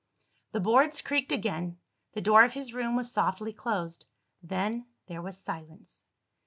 The boards creaked again; the door of his room was softly closed then there was silence.